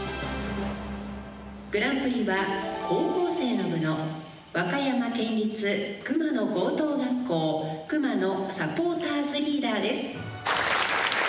「グランプリは高校生の部の和歌山県立熊野高等学校Ｋｕｍａｎｏサポーターズリーダーです」。